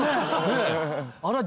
ねえ！